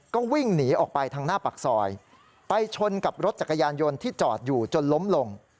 ก็วิ่งหนีออกไปทางหน้าปากซอยไปชนกับรถจักรยานยนต์ที่จอดอยู่จนล้มลง